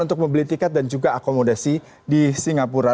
untuk membeli tiket dan juga akomodasi di singapura